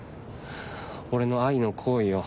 俺の愛の行為を。